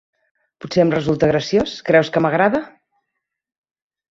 Potser em resulta graciós? Creus que m'agrada?